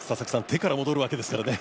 手から戻るわけですからね。